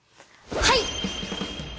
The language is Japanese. はい！